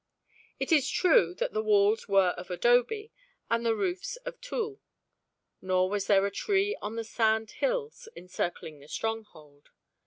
It is true that the walls were of adobe and the roofs of tule, nor was there a tree on the sand hills encircling the stronghold.